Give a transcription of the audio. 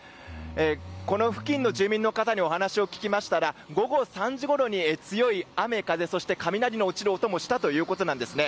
この付近の住民の方にお話を聞きましたら午後３時ごろに強い雨風そして雷が落ちる音もしたということです。